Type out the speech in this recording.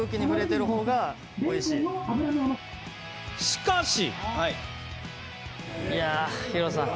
しかし。